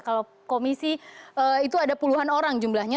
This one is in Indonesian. kalau komisi itu ada puluhan orang jumlahnya